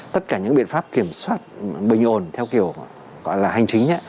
tất cả những biện pháp kiểm soát bình ổn theo kiểu gọi là hành chính